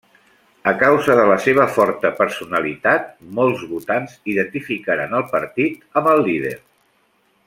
A causa de la seva forta personalitat, molts votants identificaren el partit amb el líder.